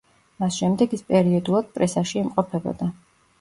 მას შემდეგ ის პერიოდულად პრესაში იმყოფებოდა.